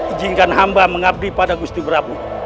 ijinkan hamba mengabdi pada bukti prabu